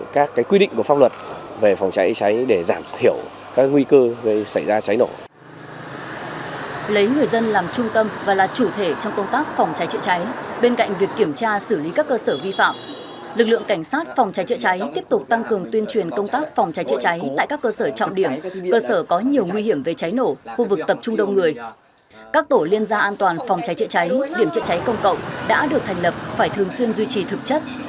các tổ liên gia an toàn phòng cháy chạy cháy điểm chạy cháy công cộng đã được thành lập phải thường xuyên duy trì thực chất